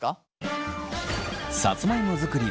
さつまいも作り